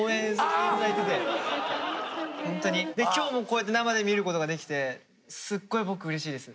ホントに今日もこうやって生で見ることができてすっごい僕うれしいです。